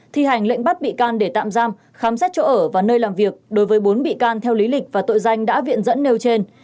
thi hành lệnh bắt bị can để tạm giam khám xét chỗ ở và nơi làm việc đối với bốn bị can theo lý lịch và tội danh đã viện dẫn nêu trên